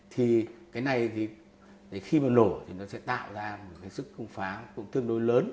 thì cái này thì khi mà nổ thì nó sẽ tạo ra một cái sức pháo cũng tương đối lớn